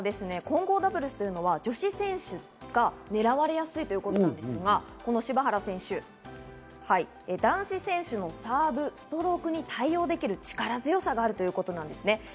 愛さんは混合ダブルスというのは女子選手が狙われやすいということなんですが柴原選手、男子選手のサーブ、ストロークに対応できる力強さがあるということなんですね。